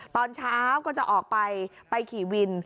ตอนเช้าก็จะออกไปไปขี่วิน